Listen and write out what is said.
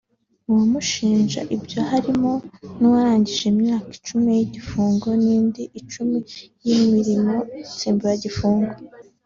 Mu bamushinja ibyo harimo n’uwarangije imyaka icumi y’igifungo n’indi icumi y’imirimo nsimburagifungo